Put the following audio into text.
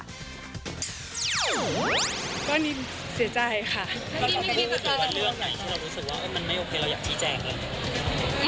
แล้วคุณคิดว่าเรื่องไหนที่เรารู้สึกว่ามันไม่โอเคเราอยากชี้แจ้งอะไร